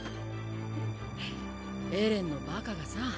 エレンのバカがさぁ。